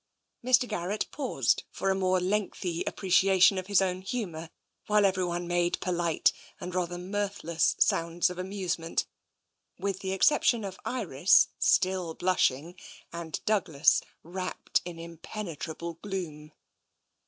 Mr. Garrett paused for a more lengthy appreciation of his own humour, while everyone made polite and rather mirthless sounds of amusement, with the excep tion of Iris, still blushing, and Douglas, wrapt in im penetrable gloom.